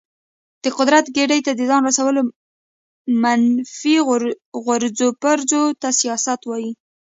د قدرت ګدۍ ته د ځان رسولو منفي غورځو پرځو ته سیاست وایي.